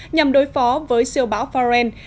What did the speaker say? nhằm đối phó với siêu báo florence